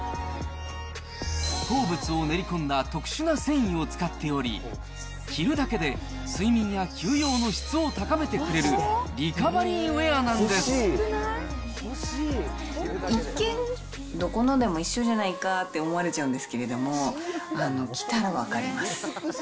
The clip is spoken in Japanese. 鉱物を練り込んだ特殊な繊維を使っており、着るだけで睡眠や休養の質を高めてくれるリカバリーウェアなんで一見、どこのでも一緒じゃないかって思われちゃうんですけど、着たら分かります。